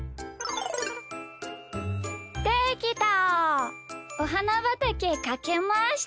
できた！